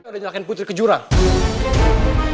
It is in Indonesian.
kita udah nyalakan putri kejuran